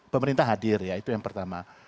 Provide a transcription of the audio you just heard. pemerintah hadir ya itu yang pertama